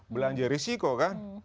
belanja resiko kan